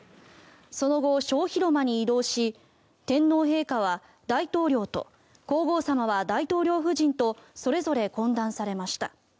その後、小広間に移動し天皇陛下は大統領と皇后さまは大統領夫人とそれぞれ懇談されました。